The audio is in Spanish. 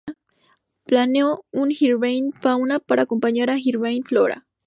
Planeó un 'Hibernian Fauna' para acompañar a 'Hibernian Flora'.